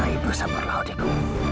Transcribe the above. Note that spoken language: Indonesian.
ibu sabarlah adikku